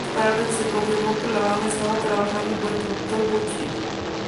Más tarde, se confirmó que la banda estaba trabajando con el productor Butch Vig.